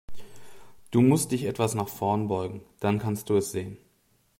Du musst dich etwas nach vorn beugen, dann kannst du es sehen.